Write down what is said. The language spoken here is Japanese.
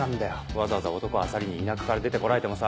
わざわざ男漁りに田舎から出て来られてもさ。